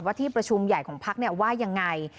ที่ประชุมใหญ่ของพักว่ายังไง